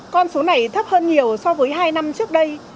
con số này thấp hơn nhiều so với hai năm trước đây